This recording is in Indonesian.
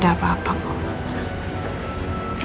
gak ada apa apa kok